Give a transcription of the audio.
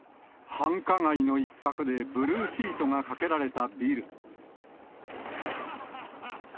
繁華街の一角でブルーシートがかけられたビル。